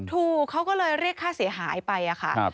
ถูกเขาก็เลยเรียกค่าเสียหายไปค่ะ